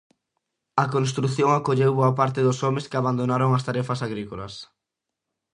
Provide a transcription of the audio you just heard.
A construción acolleu boa parte dos homes que abandonaron as tarefas agrícolas.